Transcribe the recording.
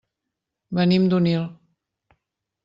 Venim d'Onil.